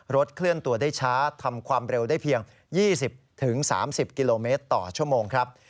เคลื่อนตัวได้ช้าทำความเร็วได้เพียง๒๐๓๐กิโลเมตรต่อชั่วโมงครับ